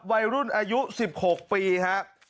วัยรุ่นอายุ๑๖ปีครับ